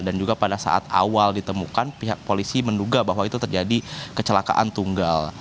dan juga pada saat awal ditemukan pihak polisi menduga bahwa itu terjadi kecelakaan tunggal